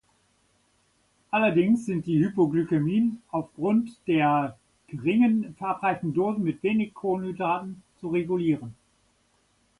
Allerdings sind die Hypoglykämien aufgrund der geringen verabreichten Dosen mit wenig Kohlenhydraten zu regulieren.